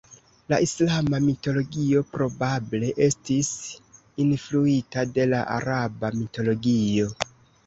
La islama mitologio probable estis influita de la araba mitologio.